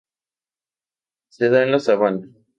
Se da en la sabana.